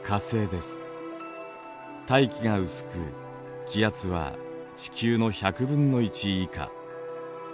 大気が薄く気圧は地球の１００分の１以下。